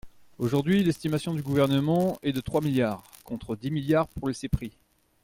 Aujourd’hui, l’estimation du Gouvernement est de trois milliards, contre dix milliards pour le CEPRI.